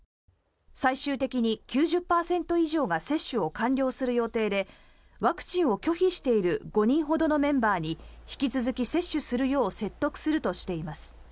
最終的に９０％以上が接種を完了する予定でワクチンを拒否している５人ほどのメンバーに引き続き接種するよう説得するとしています。